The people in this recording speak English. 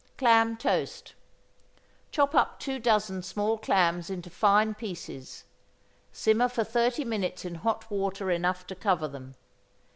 =Clam Toast.= Chop up two dozen small clams into fine pieces; simmer for thirty minutes in hot water enough to cover them.